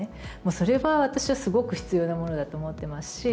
それは私はすごく必要なものだと思ってますし。